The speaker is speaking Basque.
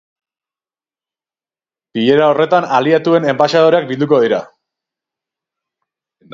Bilera horretan aliatuen enbaxadoreak bilduko dira.